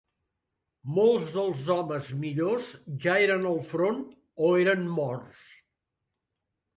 Molts dels homes millors ja eren al front, o eren morts.